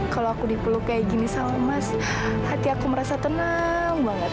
kalau aku dipeluk seperti ini sama mas hati aku merasa tenang banget